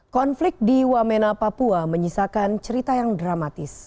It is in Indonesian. konflik di wamena papua menyisakan cerita yang dramatis